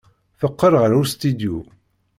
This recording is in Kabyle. Teqqel ɣer ustidyu.